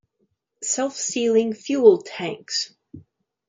Self-sealing fuel tanks.